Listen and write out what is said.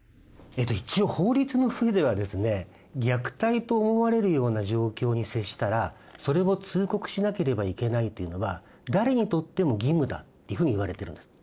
一応法律の上ではですね虐待と思われるような状況に接したらそれを通告しなければいけないというのは誰にとっても義務だというふうにいわれているんです。